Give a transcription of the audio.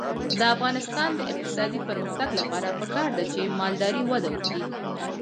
د افغانستان د اقتصادي پرمختګ لپاره پکار ده چې مالداري وده وکړي.